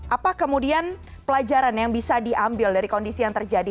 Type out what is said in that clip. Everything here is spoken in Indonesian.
apa kemudian pelajaran yang bisa diambil dari kondisi yang terjadi